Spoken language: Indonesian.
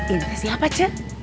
ini siapa cek